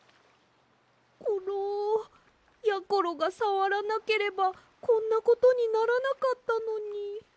コロやころがさわらなければこんなことにならなかったのに。